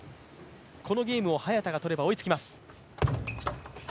このゲームを早田が取れば追いつきます。